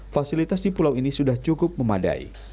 fasilitas di pulau ini sudah cukup memadai